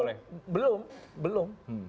belum belum belum